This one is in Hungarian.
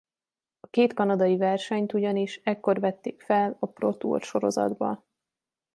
A két kanadai versenyt ugyanis ekkor vették fel a ProTour sorozatba.